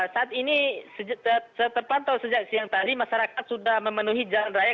saat ini terpantau sejak siang tadi masyarakat sudah memenuhi jalan raya